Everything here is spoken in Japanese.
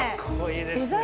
いいですね。